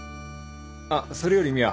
あっそれより美和。